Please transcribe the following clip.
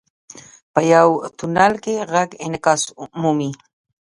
• په یو تونل کې ږغ انعکاس مومي.